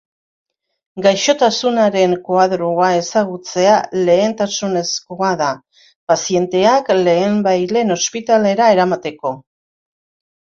Gaixotasunaren koadroa ezagutzea lehentasunezkoa da, pazienteak lehenbailehen ospitalera eramateko.